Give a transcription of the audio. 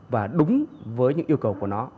và đúng với những yêu cầu của nó